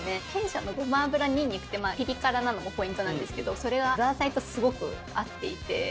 弊社のごま油にんにくってピリ辛なのがポイントなんですけどそれがザーサイとすごく合っていて。